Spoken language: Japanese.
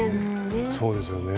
そうですよね。